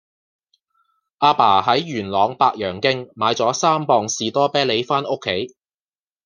亞爸喺元朗白楊徑買左三磅士多啤梨返屋企